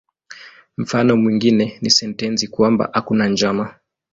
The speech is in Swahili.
Mfano mwingine ni sentensi kwamba "hakuna njama".